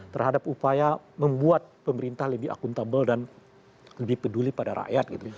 terhadap upaya membuat pemerintah lebih akuntabel dan lebih peduli pada rakyat gitu